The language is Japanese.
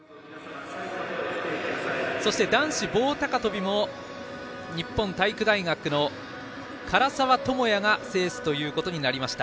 そして男子棒高跳びも日本体育大学の柄澤智哉が制すということになりました。